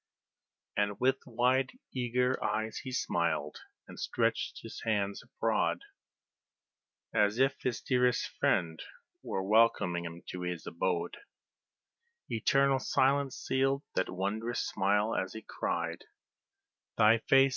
And with wide, eager eyes he smiled, and stretched his hands abroad, As if his dearest friend were welcoming him to his abode; Eternal silence sealed that wondrous smile as he cried "Thy face!